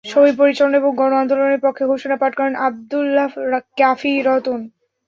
সভা পরিচালনা এবং গণ-আন্দোলনের পক্ষে ঘোষণা পাঠ করেন আবদুল্লাহ ক্বাফী রতন।